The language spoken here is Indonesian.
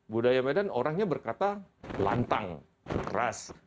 budaya medan orangnya berkata lantang keras